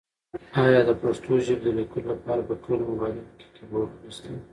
ایا د پښتو ژبې د لیکلو لپاره په ټولو مبایلونو کې کیبورډونه شته؟